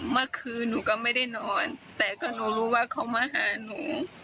เมื่อคืนหนูก็ไม่ได้นอนแต่ก็หนูรู้ว่าเขามาหาหนู